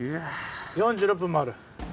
４６分もある。